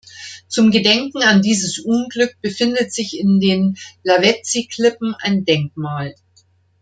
Zum Gedenken an dieses Unglück befindet sich in den Lavezzi-Klippen ein Denkmal.